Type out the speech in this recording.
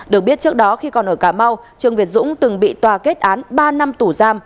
được biết trước đó khi còn ở cà mau trương việt dũng từng bị tòa kết án ba năm tù giam